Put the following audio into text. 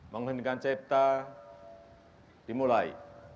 mengheningkan cipta dimulai